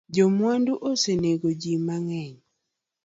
Jo maundu osenego jii mangeny